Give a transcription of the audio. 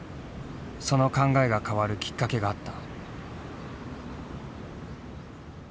その考えが変わるきっかけがあった。